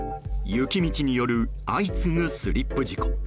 雪道による相次ぐスリップ事故。